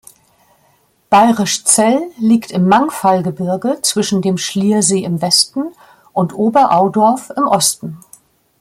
Bayrischzell liegt im Mangfallgebirge zwischen dem Schliersee im Westen und Oberaudorf im Osten.